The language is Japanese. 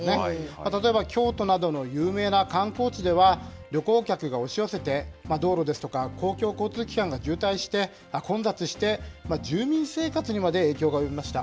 例えば京都などの有名な観光地では、旅行客が押し寄せて、道路ですとか公共交通機関が渋滞して、混雑して、住民生活にまで影響が及びました。